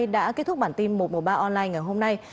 đã kết thúc bản tin một trăm một mươi ba online